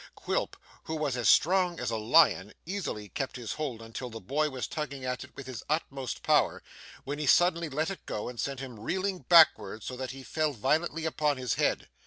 Quilp, who was as strong as a lion, easily kept his hold until the boy was tugging at it with his utmost power, when he suddenly let it go and sent him reeling backwards, so that he fell violently upon his head.